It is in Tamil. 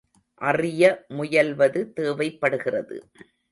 அறிய முயல்வது தேவைப்படுகிறது.